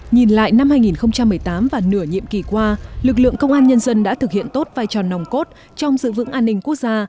nhìn lại năm hai nghìn một mươi tám và nửa nhiệm kỳ qua lực lượng công an nhân dân đã thực hiện tốt vai trò nồng cốt trong giữ vững an ninh quốc gia